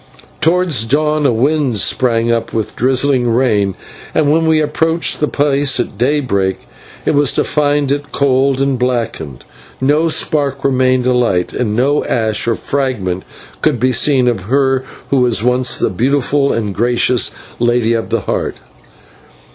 Towards dawn a wind sprang up with drizzling rain, and when we approached the place at daybreak it was to find it cold and blackened. No spark remained alight, and no ash or fragment could be seen of her who was once the beautiful and gracious Lady of the Heart.